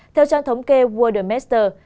theo trang thống kê world master